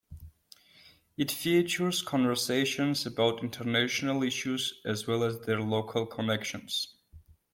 It features conversations about international issues as well as their local connections.